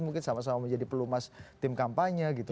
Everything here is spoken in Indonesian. mungkin sama sama menjadi pelumas tim kampanye gitu